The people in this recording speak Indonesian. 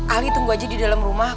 ahli tunggu aja di dalam rumah